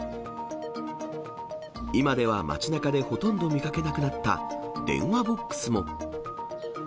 今では街なかでほとんど見かけなくなった電話ボックスも。